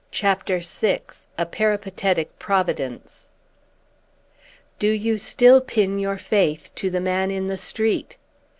CHAPTER VI A PERIPATETIC PROVIDENCE "Do you still pin your faith to the man in the street?"